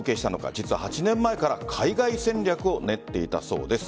実は８年前から海外戦略を練っていたそうです。